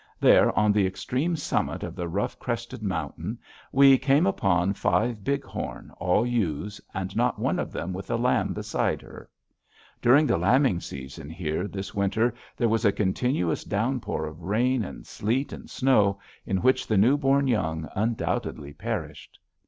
There, on the extreme summit of the rough crested mountain, we came upon five bighorn, all ewes, and not one of them with a lamb beside her. During the lambing season here this year there was a continuous downpour of rain and sleet and snow, in which the newborn young undoubtedly perished.